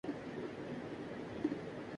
جھوٹ بولنا کبیرہ گناہ ہے